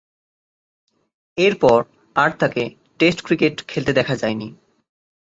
এরপর আর তাকে টেস্ট ক্রিকেট খেলতে দেখা যায়নি।